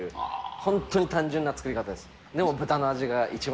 本当に単純な作り方です。